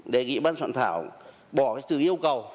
đề nghị ban soạn thảo bỏ cái từ yêu cầu